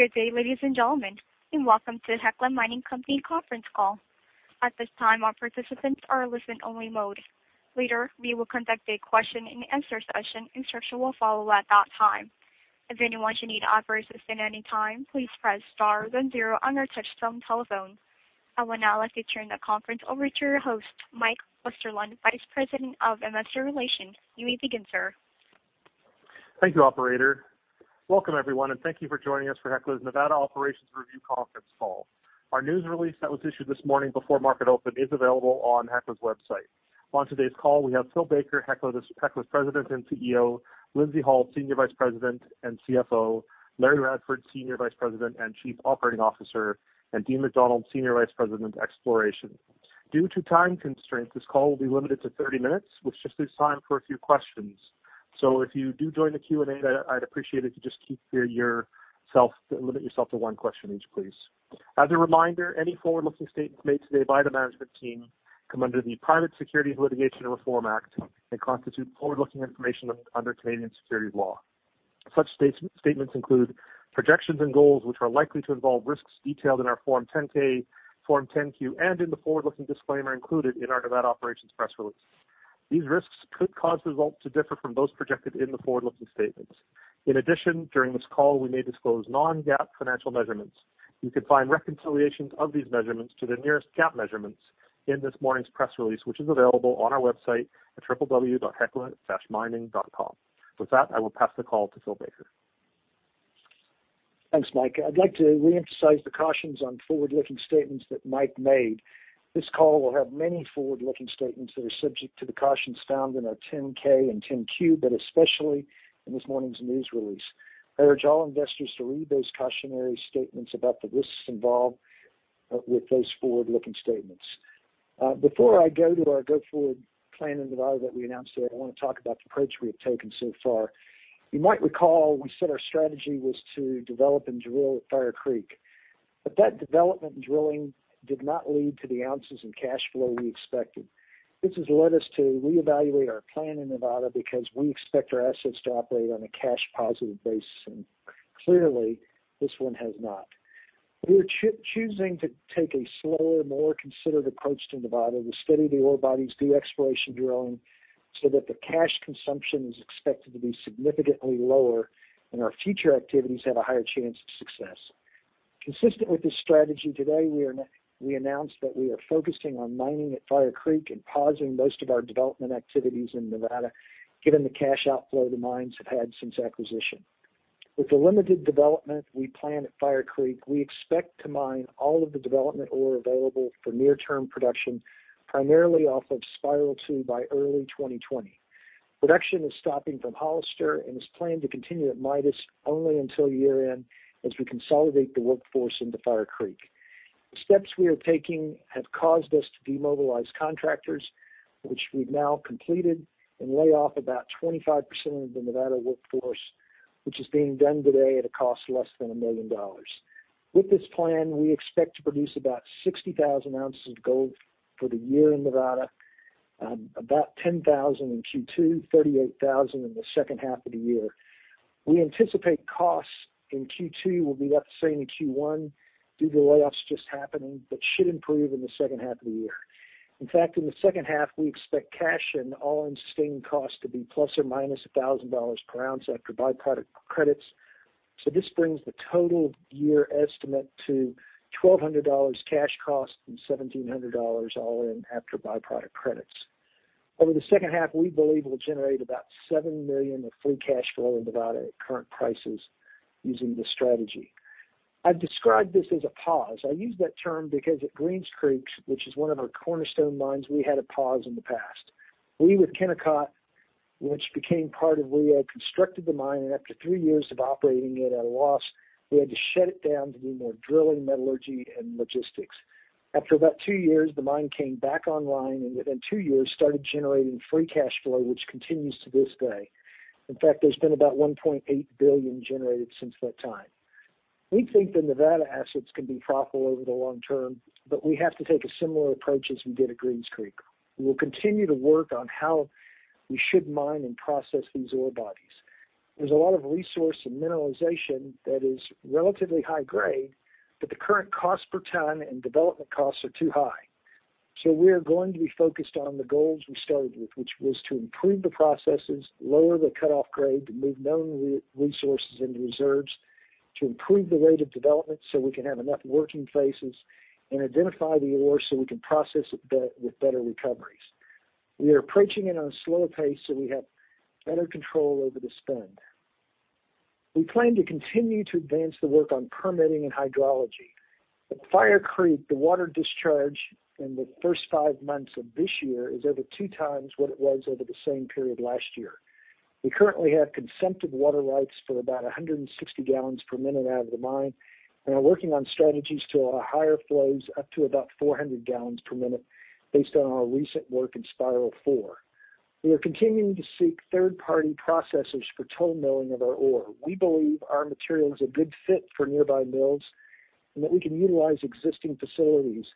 Good day, ladies and gentlemen, welcome to Hecla Mining Company conference call. At this time, all participants are in listen only mode. Later, we will conduct a question and answer session. Instruction will follow at that time. If anyone should need operator assistance at any time, please press star then zero on your touchtone telephone. I would now like to turn the conference over to your host, Mike Westerlund, Vice President of Investor Relations. You may begin, sir. Thank you, operator. Welcome everyone, thank you for joining us for Hecla's Nevada Operations Review conference call. Our news release that was issued this morning before market open is available on Hecla's website. On today's call, we have Phil Baker, Hecla's President and CEO, Lindsay Hall, Senior Vice President and CFO, Larry Radford, Senior Vice President and Chief Operating Officer, and Dean McDonald, Senior Vice President, Exploration. Due to time constraints, this call will be limited to 30 minutes, which just is time for a few questions. If you do join the Q&A, I'd appreciate it to just limit yourself to one question each, please. As a reminder, any forward-looking statements made today by the management team come under the Private Securities Litigation Reform Act and constitute forward-looking information under Canadian security law. Such statements include projections and goals, which are likely to involve risks detailed in our Form 10-K, Form 10-Q and in the forward-looking disclaimer included in our Nevada Operations press release. These risks could cause results to differ from those projected in the forward-looking statements. In addition, during this call, we may disclose non-GAAP financial measurements. You can find reconciliations of these measurements to the nearest GAAP measurements in this morning's press release, which is available on our website at www.hecla-mining.com. With that, I will pass the call to Phil Baker. Thanks, Mike. I'd like to reemphasize the cautions on forward-looking statements that Mike made. This call will have many forward-looking statements that are subject to the cautions found in our 10-K and 10-Q, especially in this morning's news release. I urge all investors to read those cautionary statements about the risks involved with those forward-looking statements. Before I go to our go-forward plan in Nevada that we announced today, I want to talk about the approach we have taken so far. You might recall we said our strategy was to develop and drill at Fire Creek, that development and drilling did not lead to the ounces in cash flow we expected. This has led us to reevaluate our plan in Nevada because we expect our assets to operate on a cash positive basis, clearly this one has not. We are choosing to take a slower, more considered approach to Nevada to study the ore bodies, do exploration drilling, so that the cash consumption is expected to be significantly lower and our future activities have a higher chance of success. Consistent with this strategy, today we announced that we are focusing on mining at Fire Creek and pausing most of our development activities in Nevada, given the cash outflow the mines have had since acquisition. With the limited development we plan at Fire Creek, we expect to mine all of the development ore available for near term production, primarily off of Spiral 2 by early 2020. Production is stopping from Hollister and is planned to continue at Midas only until year-end, as we consolidate the workforce into Fire Creek. The steps we are taking have caused us to demobilize contractors, which we've now completed, and lay off about 25% of the Nevada workforce, which is being done today at a cost less than $1 million. With this plan, we expect to produce about 60,000 ounces of gold for the year in Nevada, about 10,000 in Q2, 38,000 in the second half of the year. We anticipate costs in Q2 will be about the same in Q1 due to layoffs just happening, but should improve in the second half of the year. In fact, in the second half, we expect cash and all-in sustained costs to be ±$1,000 per ounce after byproduct credits. This brings the total year estimate to $1,200 cash cost and $1,700 all-in after byproduct credits. Over the second half, we believe we'll generate about $7 million of free cash flow in Nevada at current prices using this strategy. I've described this as a pause. I use that term because at Greens Creek, which is one of our cornerstone mines, we had a pause in the past. We, with Kinross, which became part of Rio, constructed the mine, and after three years of operating it at a loss, we had to shut it down to do more drilling, metallurgy, and logistics. After about two years, the mine came back online, and within two years, started generating free cash flow, which continues to this day. In fact, there's been about $1.8 billion generated since that time. We think the Nevada assets can be profitable over the long term, but we have to take a similar approach as we did at Greens Creek. We will continue to work on how we should mine and process these ore bodies. There's a lot of resource and mineralization that is relatively high grade, but the current cost per ton and development costs are too high. We are going to be focused on the goals we started with, which was to improve the processes, lower the cutoff grade to move known resources into reserves, to improve the rate of development so we can have enough working faces, and identify the ore so we can process it with better recoveries. We are approaching it on a slower pace so we have better control over the spend. We plan to continue to advance the work on permitting and hydrology. At Fire Creek, the water discharge in the first five months of this year is over two times what it was over the same period last year. We currently have consumptive water rights for about 160 gallons per minute out of the mine and are working on strategies to allow higher flows up to about 400 gallons per minute based on our recent work in Spiral 4. We are continuing to seek third-party processors for toll milling of our ore. We believe our material is a good fit for nearby mills and that we can utilize existing facilities,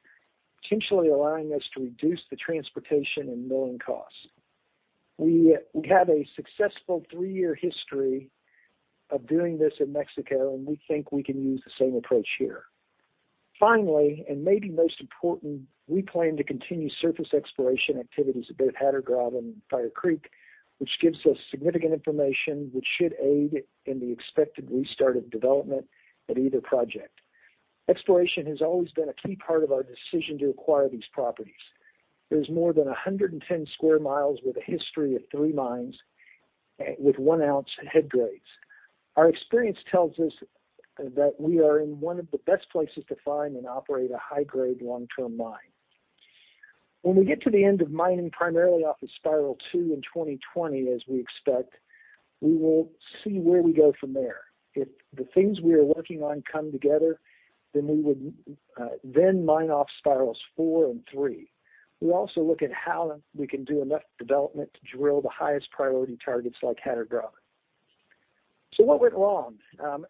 potentially allowing us to reduce the transportation and milling costs. We have a successful three-year history of doing this in Mexico, and we think we can use the same approach here. Finally, maybe most important, we plan to continue surface exploration activities at both Hatter Graben and Fire Creek, which gives us significant information which should aid in the expected restart of development at either project. Exploration has always been a key part of our decision to acquire these properties. There's more than 110 square miles with a history of three mines with one ounce head grades. Our experience tells us that we are in one of the best places to find and operate a high-grade long-term mine. When we get to the end of mining primarily off of Spiral 2 in 2020, as we expect, we will see where we go from there. If the things we are working on come together, we would then mine off Spirals 4 and 3. We also look at how we can do enough development to drill the highest priority targets like Hatter Graben. What went wrong?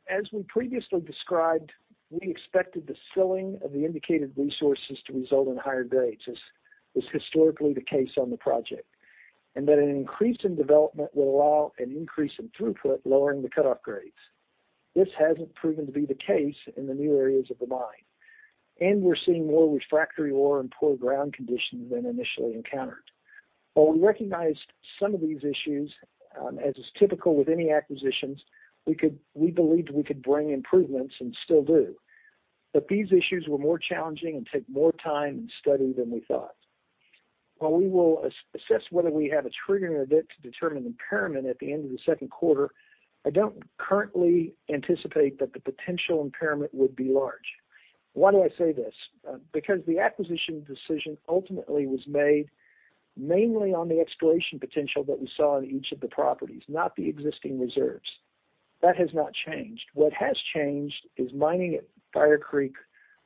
As we previously described, we expected the filling of the indicated resources to result in higher grades, as is historically the case on the project, and that an increase in development will allow an increase in throughput, lowering the cutoff grades. This hasn't proven to be the case in the new areas of the mine, and we're seeing more refractory ore and poor ground conditions than initially encountered. While we recognized some of these issues, as is typical with any acquisitions, we believed we could bring improvements and still do. These issues were more challenging and took more time and study than we thought. While we will assess whether we have a trigger in our debt to determine impairment at the end of the second quarter, I don't currently anticipate that the potential impairment would be large. Why do I say this? Because the acquisition decision ultimately was made mainly on the exploration potential that we saw in each of the properties, not the existing reserves. That has not changed. What has changed is mining at Fire Creek,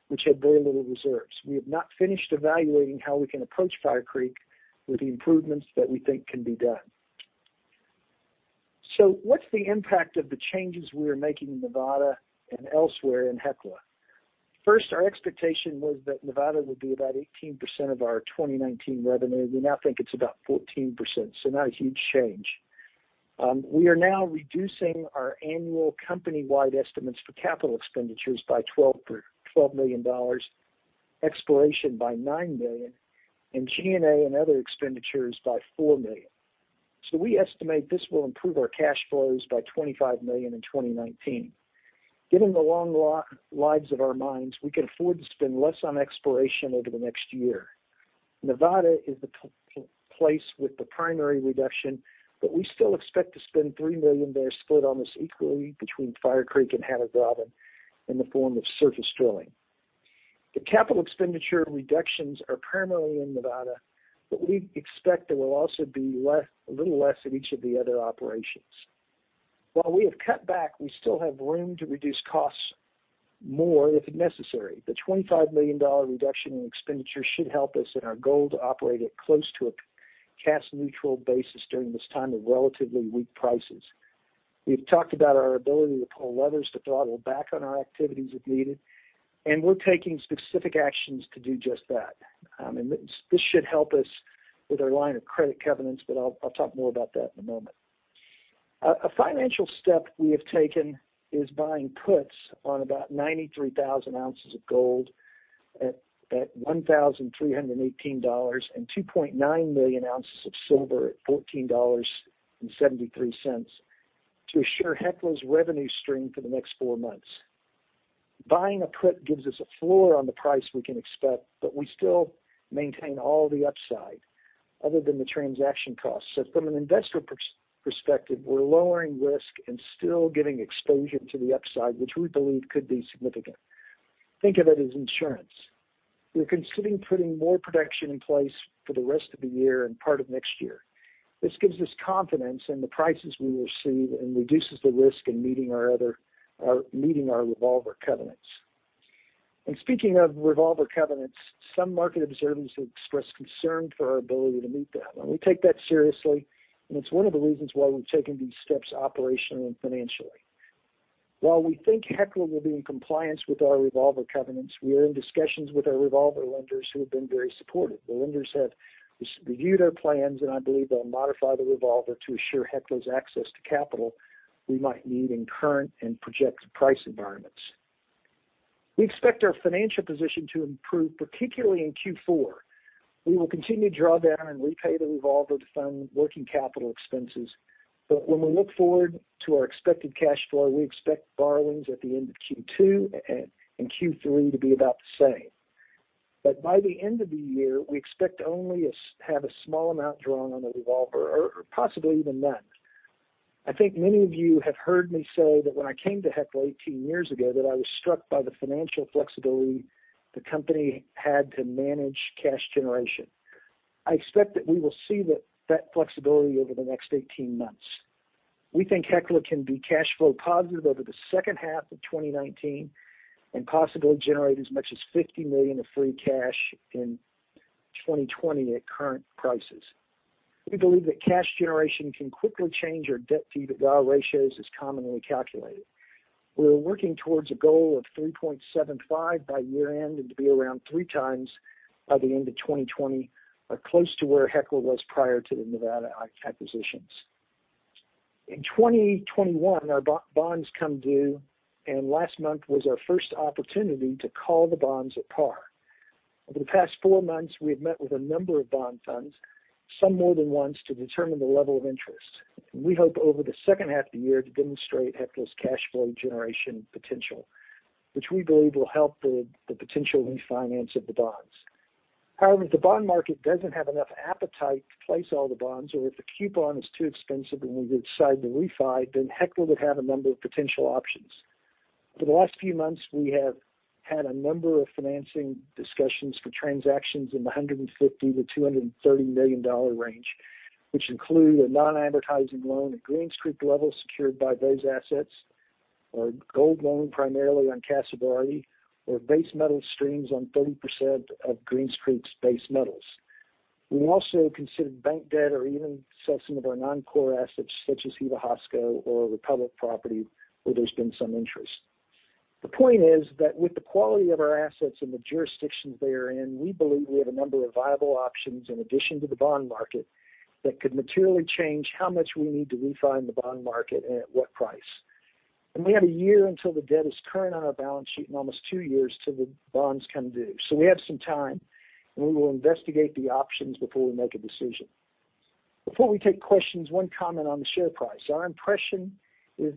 which had very little reserves. We have not finished evaluating how we can approach Fire Creek with the improvements that we think can be done. What's the impact of the changes we are making in Nevada and elsewhere in Hecla? First, our expectation was that Nevada would be about 18% of our 2019 revenue. We now think it's about 14%, so not a huge change. We are now reducing our annual company-wide estimates for capital expenditures by $12 million, exploration by $9 million, and G&A and other expenditures by $4 million. We estimate this will improve our cash flows by $25 million in 2019. Given the long lives of our mines, we can afford to spend less on exploration over the next year. Nevada is the place with the primary reduction, but we still expect to spend $3 million there, split almost equally between Fire Creek and Hatter Graben in the form of surface drilling. The capital expenditure reductions are primarily in Nevada, but we expect there will also be a little less at each of the other operations. While we have cut back, we still have room to reduce costs more if necessary. The $25 million reduction in expenditures should help us in our goal to operate at close to a cash neutral basis during this time of relatively weak prices. We've talked about our ability to pull levers to throttle back on our activities if needed, and we're taking specific actions to do just that. This should help us with our line of credit covenants, but I'll talk more about that in a moment. A financial step we have taken is buying puts on about 93,000 ounces of gold at $1,318 and 2.9 million ounces of silver at $14.73 to assure Hecla's revenue stream for the next four months. Buying a put gives us a floor on the price we can expect, but we still maintain all the upside other than the transaction cost. From an investor perspective, we're lowering risk and still getting exposure to the upside, which we believe could be significant. Think of it as insurance. We're considering putting more protection in place for the rest of the year and part of next year. This gives us confidence in the prices we will see and reduces the risk in meeting our revolver covenants. Speaking of revolver covenants, some market observers have expressed concern for our ability to meet them. We take that seriously, and it's one of the reasons why we've taken these steps operationally and financially. While we think Hecla will be in compliance with our revolver covenants, we are in discussions with our revolver lenders who have been very supportive. The lenders have reviewed our plans, and I believe they'll modify the revolver to assure Hecla's access to capital we might need in current and projected price environments. We expect our financial position to improve, particularly in Q4. We will continue to draw down and repay the revolver to fund working capital expenses. When we look forward to our expected cash flow, we expect borrowings at the end of Q2 and Q3 to be about the same. By the end of the year, we expect only have a small amount drawn on the revolver, or possibly even none. I think many of you have heard me say that when I came to Hecla 18 years ago, that I was struck by the financial flexibility the company had to manage cash generation. I expect that we will see that flexibility over the next 18 months. We think Hecla can be cash flow positive over the second half of 2019 and possibly generate as much as $50 million of free cash in 2020 at current prices. We believe that cash generation can quickly change our debt-to-EBITDA ratios as commonly calculated. We're working towards a goal of 3.75 by year-end, and to be around three times by the end of 2020, or close to where Hecla was prior to the Nevada acquisitions. In 2021, our bonds come due, and last month was our first opportunity to call the bonds at par. Over the past 4 months, we have met with a number of bond funds, some more than once, to determine the level of interest. We hope over the second half of the year to demonstrate Hecla's cash flow generation potential, which we believe will help the potential refinance of the bonds. However, if the bond market doesn't have enough appetite to place all the bonds, or if the coupon is too expensive and we decide to refi, then Hecla would have a number of potential options. Over the last few months, we have had a number of financing discussions for transactions in the $150 million-$230 million range, which include a non-amortizing loan at Greens Creek level secured by those assets, or a gold loan primarily on Casa Berardi, or base metal streams on 30% of Greens Creek's base metals. We also considered bank debt or even sell some of our non-core assets such as Heva-Hosco or Republic Property, where there's been some interest. The point is that with the quality of our assets and the jurisdictions they are in, we believe we have a number of viable options in addition to the bond market that could materially change how much we need to refi in the bond market and at what price. We have one year until the debt is current on our balance sheet and almost 2 years till the bonds come due. We have some time, and we will investigate the options before we make a decision. Before we take questions, one comment on the share price. Our impression is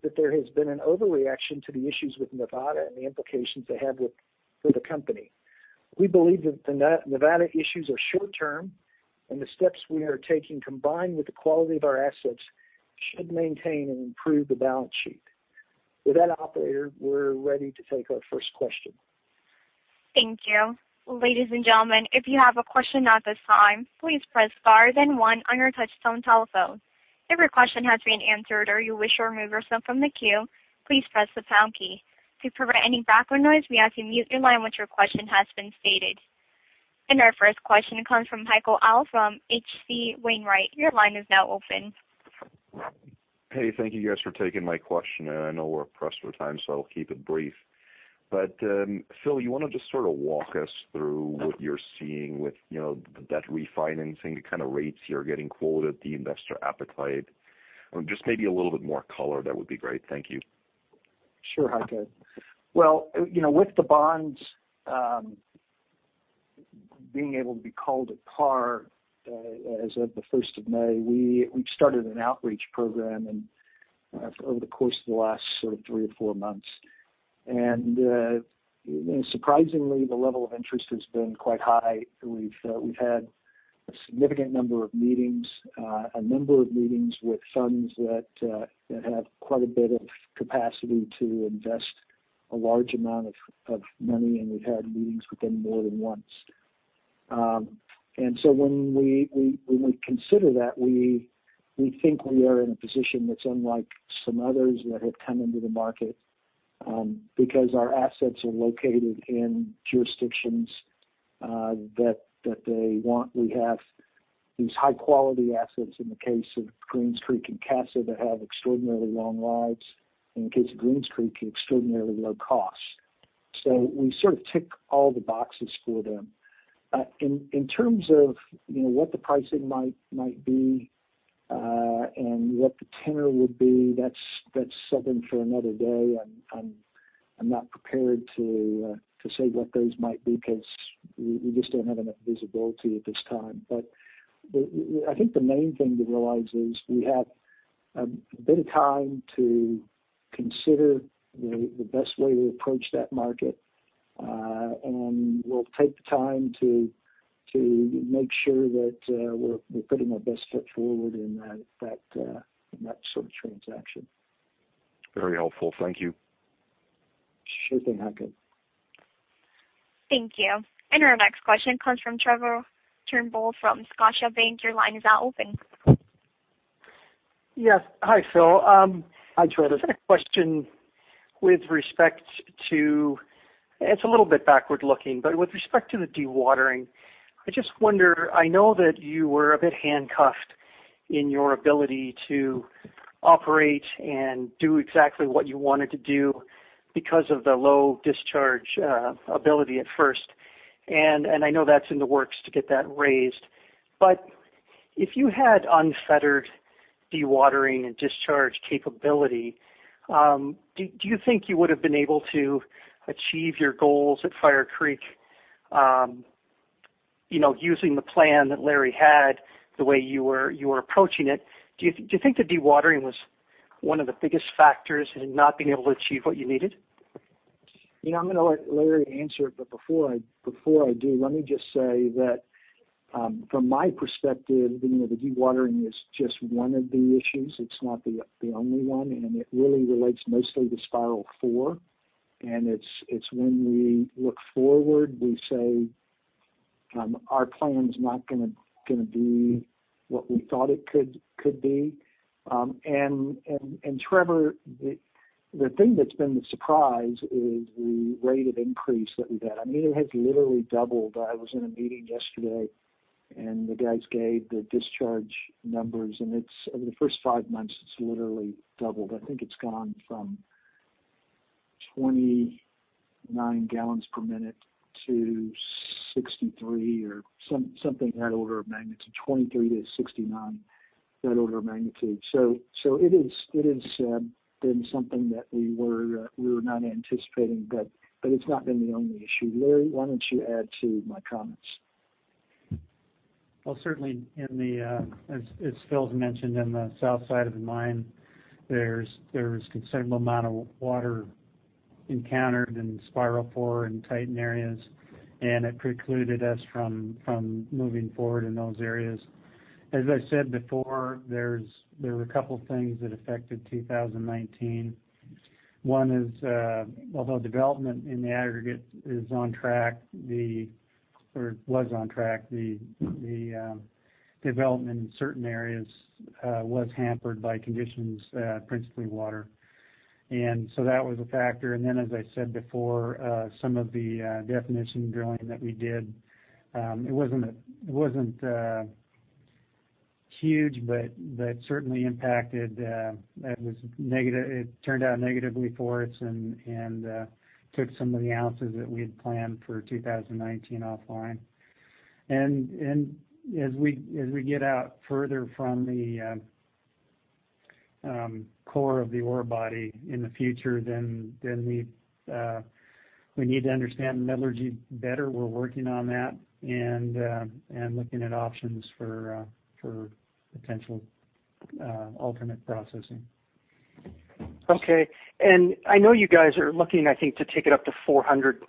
that there has been an overreaction to the issues with Nevada and the implications they have for the company. We believe that the Nevada issues are short-term, and the steps we are taking, combined with the quality of our assets, should maintain and improve the balance sheet. With that, operator, we're ready to take our first question. Thank you. Ladies and gentlemen, if you have a question at this time, please press star then 1 on your touchtone telephone. If your question has been answered or you wish to remove yourself from the queue, please press the pound key. To prevent any background noise, we ask you mute your line once your question has been stated. Our first question comes from Heiko Ihle from H.C. Wainwright. Your line is now open. Hey, thank you guys for taking my question. I know we're pressed for time, I'll keep it brief. Phil, you want to just sort of walk us through what you're seeing with the debt refinancing, the kind of rates you're getting quoted, the investor appetite, and just maybe a little bit more color, that would be great. Thank you. Sure, Heiko. With the bonds being able to be called at par as of the 1st of May, we've started an outreach program over the course of the last sort of three or four months. Surprisingly, the level of interest has been quite high. We've had a significant number of meetings, a number of meetings with funds that have quite a bit of capacity to invest a large amount of money, and we've had meetings with them more than once. When we consider that, we think we are in a position that's unlike some others that have come into the market, because our assets are located in jurisdictions that they want. We have these high-quality assets in the case of Greens Creek and Casa that have extraordinarily long lives, and in the case of Greens Creek, extraordinarily low costs. We sort of tick all the boxes for them. In terms of what the pricing might be and what the tenor would be, that's something for another day. I'm not prepared to say what those might be because we just don't have enough visibility at this time. I think the main thing to realize is we have a bit of time to consider the best way to approach that market, and we'll take the time to make sure that we're putting our best foot forward in that sort of transaction. Very helpful. Thank you. Sure thing, Heiko. Thank you. Our next question comes from Trevor Turnbull from Scotiabank. Your line is now open. Yes. Hi, Phil. Hi, Trevor. Just had a question with respect to, it's a little bit backward-looking, but with respect to the dewatering. I just wonder, I know that you were a bit handcuffed in your ability to operate and do exactly what you wanted to do because of the low discharge ability at first, and I know that's in the works to get that raised. If you had unfettered dewatering and discharge capability, do you think you would have been able to achieve your goals at Fire Creek using the plan that Larry had, the way you were approaching it? Do you think the dewatering was one of the biggest factors in not being able to achieve what you needed? I'm going to let Larry answer, but before I do, let me just say that, from my perspective, the dewatering is just one of the issues. It's not the only one, and it really relates mostly to Spiral 4, and it's when we look forward, we say our plan's not going to be what we thought it could be. Trevor, the thing that's been the surprise is the rate of increase that we've had. It has literally doubled. I was in a meeting yesterday. The guys gave the discharge numbers, and over the first five months it's literally doubled. I think it's gone from 29 gallons per minute to 63 or something in that order of magnitude, 23 to 69, that order of magnitude. It has been something that we were not anticipating, but it's not been the only issue. Larry, why don't you add to my comments? Well, certainly, as Phil's mentioned, in the south side of the mine, there's a considerable amount of water encountered in Spiral 4 and Titan areas, and it precluded us from moving forward in those areas. As I said before, there were a couple of things that affected 2019. One is, although development in the aggregate is on track, or was on track, the development in certain areas was hampered by conditions, principally water. That was a factor. Then, as I said before, some of the definition drilling that we did, it wasn't huge, but certainly impacted. It turned out negatively for us and took some of the ounces that we had planned for 2019 offline. As we get out further from the core of the ore body in the future, then we need to understand metallurgy better. We're working on that and looking at options for potential alternate processing. Okay. I know you guys are looking, I think, to take it up to 400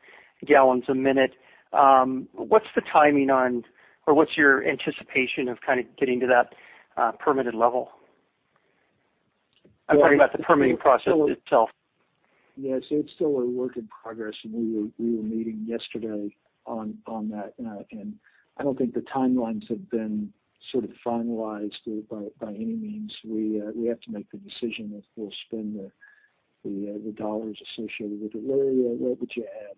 gallons a minute. What's the timing on, or what's your anticipation of getting to that permitted level? I'm talking about the permitting process itself. Yes. It's still a work in progress, and we were meeting yesterday on that. I don't think the timelines have been finalized by any means. We have to make the decision if we'll spend the dollars associated with it. Larry, what would you add?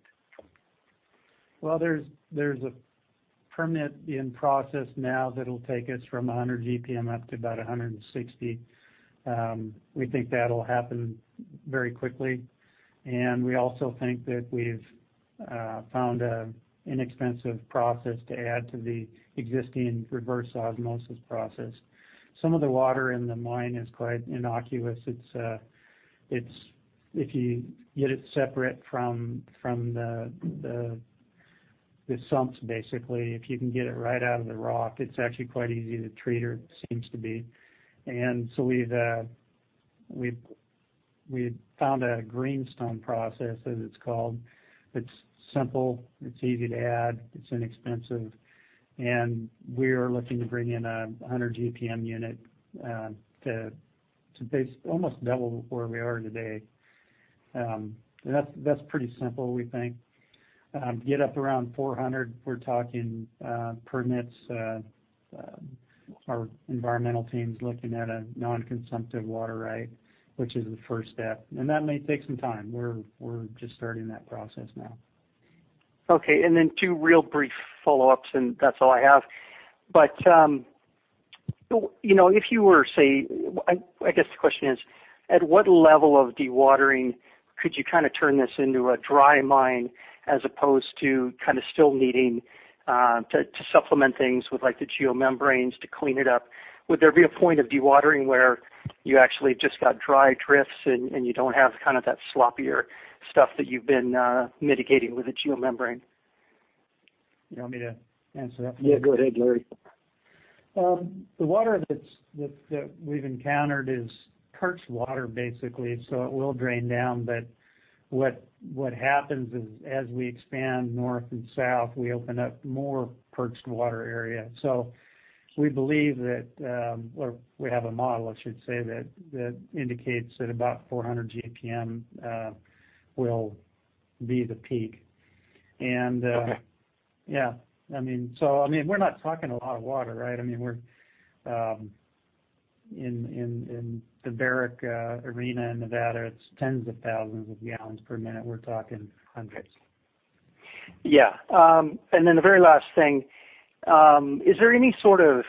Well, there's a permit in process now that'll take us from 100 GPM up to about 160. We think that'll happen very quickly, and we also think that we've found an inexpensive process to add to the existing reverse osmosis process. Some of the water in the mine is quite innocuous. If you get it separate from the sumps, basically, if you can get it right out of the rock, it's actually quite easy to treat, or it seems to be. We've found a greenstone process, as it's called. It's simple, it's easy to add, it's inexpensive. We're looking to bring in a 100 GPM unit to almost double where we are today. That's pretty simple, we think. Get up around 400, we're talking permits. Our environmental team's looking at a non-consumptive water right, which is the first step. That may take some time. We're just starting that process now. Okay, then two real brief follow-ups, and that's all I have. If you were, say I guess the question is, at what level of dewatering could you turn this into a dry mine as opposed to still needing to supplement things with the geomembranes to clean it up? Would there be a point of dewatering where you actually just got dry drifts and you don't have that sloppier stuff that you've been mitigating with a geomembrane? You want me to answer that? Yeah, go ahead, Larry. The water that we've encountered is perched water, basically. It will drain down, but what happens is as we expand north and south, we open up more perched water area. We believe that, or we have a model I should say, that indicates that about 400 GPM will be the peak. Okay. Yeah. We're not talking a lot of water, right? In the Barrick arena in Nevada, it's tens of thousands of gallons per minute. We're talking hundreds. Yeah. The very last thing, is there any sort of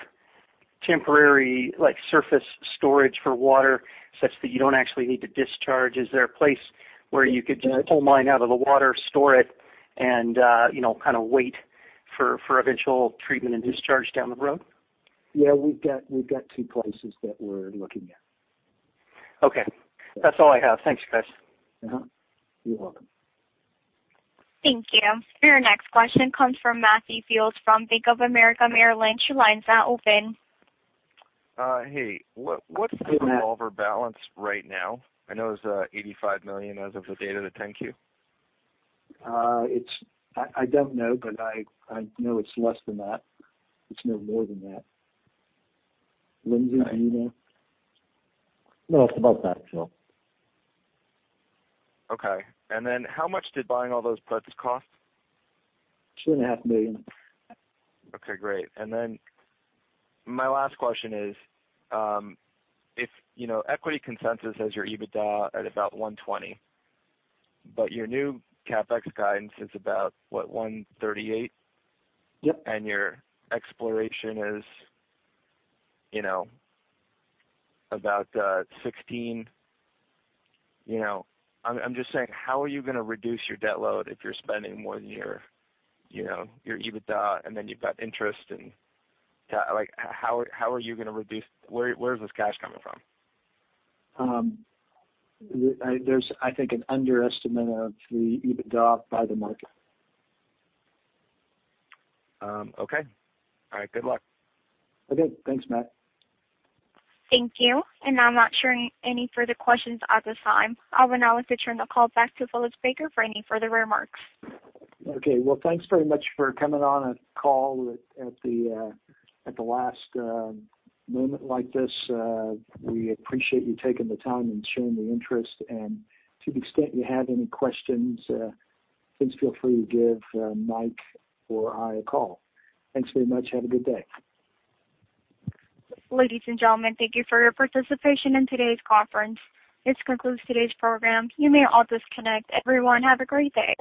temporary surface storage for water, such that you don't actually need to discharge? Is there a place where you could pull mine out of the water, store it, and wait for eventual treatment and discharge down the road? Yeah, we've got two places that we're looking at. Okay. That's all I have. Thanks, guys. You're welcome. Thank you. Your next question comes from Matthew Fields from Bank of America Merrill Lynch. Your line's now open. Hey, what's the revolver balance right now? I know it was $85 million as of the date of the 10-Q. I don't know. I know it's less than that. It's no more than that. Lindsay, anything? No, it's about that, Phil. Okay. How much did buying all those puts cost? Two and a half million. Okay, great. My last question is, if equity consensus has your EBITDA at about $120, but your new CapEx guidance is about, what, $138? Yep. Your exploration is about 16. I'm just saying, how are you going to reduce your debt load if you're spending more than your EBITDA, and then you've got interest, and like how are you going to reduce Where is this cash coming from? There's, I think, an underestimate of the EBITDA by the market. Okay. All right. Good luck. Okay. Thanks, Matt. Thank you. I'm not showing any further questions at this time. I would now like to turn the call back to Phillips Baker for any further remarks. Okay. Well, thanks very much for coming on a call at the last moment like this. We appreciate you taking the time and showing the interest. To the extent you have any questions, please feel free to give Mike or I a call. Thanks very much. Have a good day. Ladies and gentlemen, thank you for your participation in today's conference. This concludes today's program. You may all disconnect. Everyone, have a great day.